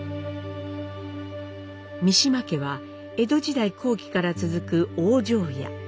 三島家は江戸時代後期から続く大庄屋。